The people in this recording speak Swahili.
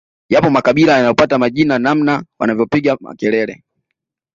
Yapo makabila yaliyopata majina namna wanavyopiga makelele